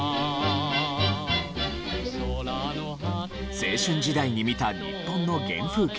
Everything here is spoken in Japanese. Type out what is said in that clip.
青春時代に見た日本の原風景。